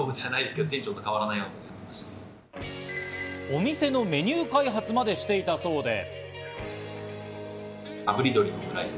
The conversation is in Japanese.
お店のメニュー開発までしていたそうで。